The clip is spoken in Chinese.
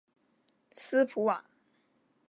斯普瓦。